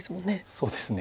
そうですね。